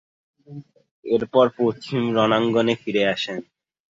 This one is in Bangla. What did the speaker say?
এরপর পশ্চিম রণাঙ্গনে ফিরে আসেন।